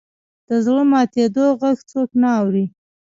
د زړه ماتېدو ږغ څوک نه اوري.